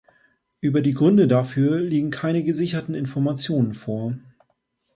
Über die Gründe dafür liegen keine gesicherten Informationen vor.